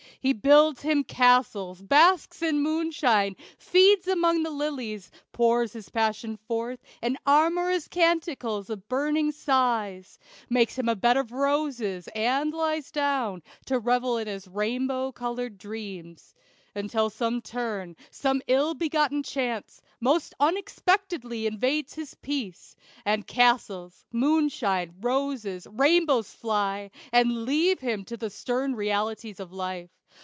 He builds him castles basks in moonshine feeds Among the lilies pours his passion forth In amorous canticles and burning sighs Makes him a bed of roses, and lies down To revel in his rainbow colored dreams Until some turn, some ill begotten chance, Most unexpectedly invades his peace, And castles, moonshine, roses, rainbows fly, And leave him to the stern realities of life.